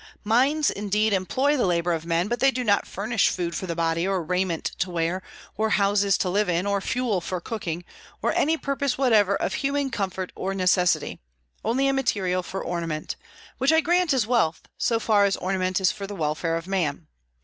Mines, indeed, employ the labor of men, but they do not furnish food for the body, or raiment to wear, or houses to live in, or fuel for cooking, or any purpose whatever of human comfort or necessity, only a material for ornament; which I grant is wealth, so far as ornament is for the welfare of man.